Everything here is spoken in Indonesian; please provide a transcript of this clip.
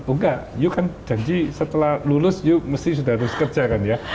oh nggak ibu kan janji setelah lulus ibu mesti sudah harus kerja kan ya